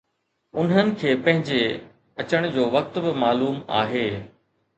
انهن کي پنهنجي اچڻ جو وقت به معلوم آهي